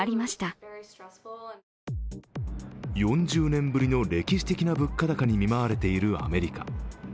４０年ぶりの歴史的な物価高に見舞われているアメリカ。